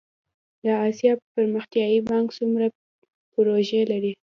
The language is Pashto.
د اسیا پرمختیایی بانک څومره پروژې لري؟